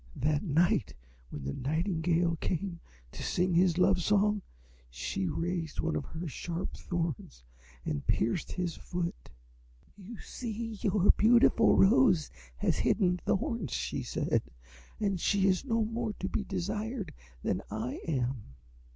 That night, when the nightingale came to sing his love song, she raised one of her sharp thorns and pierced his foot. "'You see your beautiful Rose has hidden thorns,' she said, 'and she is no more to be desired than I am.'